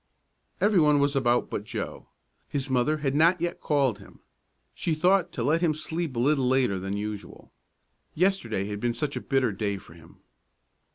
Every one was about but Joe. His mother had not yet called him. She thought to let him sleep a little later than usual. Yesterday had been such a bitter day for him!